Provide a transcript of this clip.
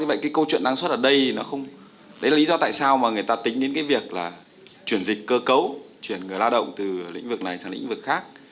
vậy cái câu chuyện năng suất ở đây nó không đấy là lý do tại sao mà người ta tính đến cái việc là chuyển dịch cơ cấu chuyển người lao động từ lĩnh vực này sang lĩnh vực khác